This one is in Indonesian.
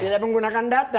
tidak menggunakan data